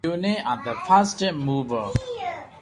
Their units are the fastest movers.